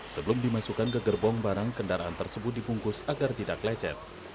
sebelum dimasukkan ke gerbong barang kendaraan tersebut dibungkus agar tidak lecet